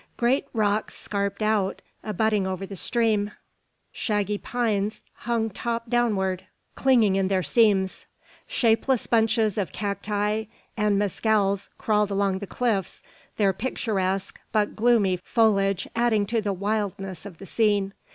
Great rocks scarped out, abutting over the stream; shaggy pines hung top downward, clinging in their seams; shapeless bunches of cacti and mezcals crawled along the cliffs, their picturesque but gloomy foliage adding to the wildness of the scene.